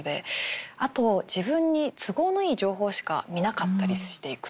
あと自分に都合のいい情報しか見なかったりしていくという。